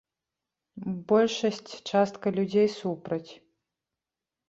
Большасць частка людзей супраць.